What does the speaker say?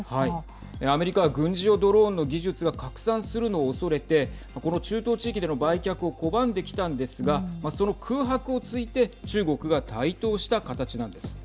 アメリカは軍事用ドローンの技術が拡散するのをおそれてこの中東地域での売却を拒んできたんですがその空白を突いて中国が台頭した形なんです。